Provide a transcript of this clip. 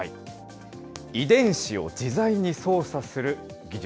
遺伝子を自在に操作する技術。